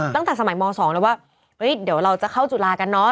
ตั้งแต่สมัยม๒แล้วว่าเดี๋ยวเราจะเข้าจุฬากันเนอะ